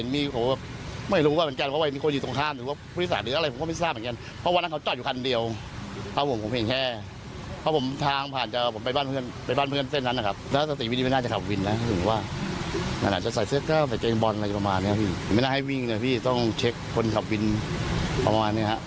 ไม่น่าให้วินนะพี่ต้องเช็คคนขับวินประมาณนี้